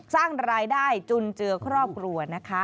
สร้างรายได้จุนเจือครอบครัวนะคะ